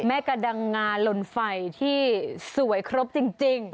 กระดังงาลนไฟที่สวยครบจริง